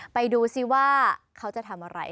ไปดูซิว่าเขาจะทำอะไร